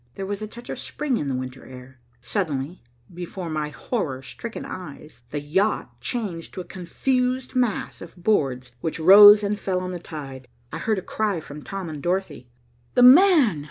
There was a touch of spring in the winter air. Suddenly, before my horror stricken eyes, the yacht changed to a confused mass of boards which rose and fell on the tide. I heard a cry from Tom and Dorothy. "The man!"